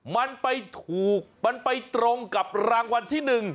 มันไปถูกมันไปตรงกับรางวัลที่๑